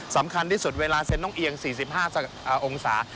สำคัญที่สุดเวลาเซ็นต้องเอียง๔๕องศา